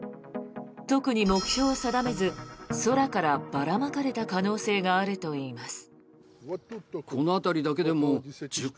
特に目標を定めず、空からばらまかれた可能性があるといいます。